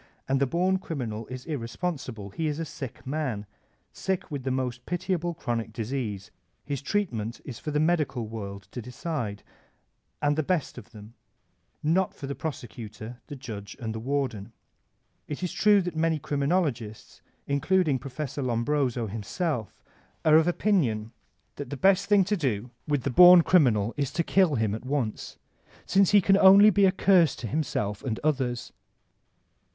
And the born criminal is irresponsible; he is a sick nian» sick with the most pitiable chronic disease; his treatment is for the medical world to decide, and the best of them, — ^not for the prosecutor, the judge, and the warden. It is true that many criminologists, including Prof. Lombroso himself, are of opinion that the best thing to do with the bom criminal is to kill him at once, since he can be only a curse to himself and others.